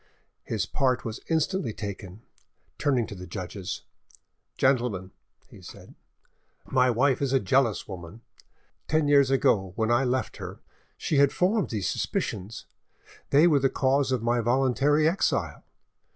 His part was instantly taken. Turning to the judges— "Gentlemen," he said, "my wife is a jealous woman! Ten years ago, when I left her, she had formed these suspicions; they were the cause of my voluntary exile.